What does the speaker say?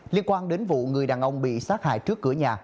liên quan đến vụ người đàn ông bị sát hại trước cửa nhà